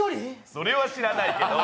それは知らないけど。